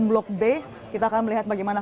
blok b kita akan melihat bagaimana